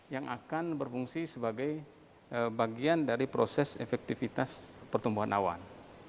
yang akan berfungsi sebagai bagian dari proses efektivitas pertumbuhan awan